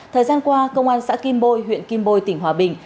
thời gian qua công an xã kim bôi huyện kim bôi tỉnh hòa bình